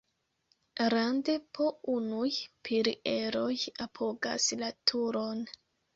Rande po unuj pilieroj apogas la turon.